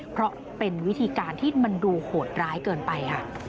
เพราะเป็นวิธีการที่มันดูโหดร้ายเกินไปค่ะ